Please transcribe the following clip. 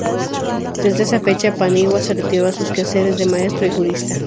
Desde esa fecha, Paniagua se retiró a sus quehaceres de maestro y jurista.